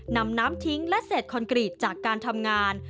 นำน้ำทิ้งและเศษคอนกรีตจากการทำงาน